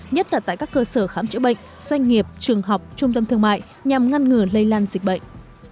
nhất là tại các cơ sở khám chữa bệnh doanh nghiệp trường học trung tâm thương mại nhằm ngăn ngừa lây lan dịch bệnh